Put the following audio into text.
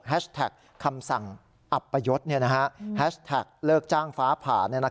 แฮชแท็กคำสั่งอัปปะยศแฮชแท็กเลิกจ้างฟ้าผ่าน